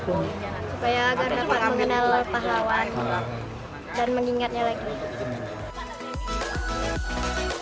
supaya agar dapat mengenal pahlawan dan mengingatnya lagi